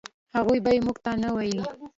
هغوی به موږ ته نه ویلې.